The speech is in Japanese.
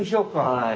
はい。